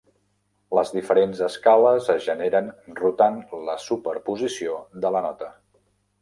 Les diferents escales es generen rotant la superposició de la nota.